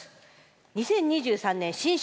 「２０２３年新春！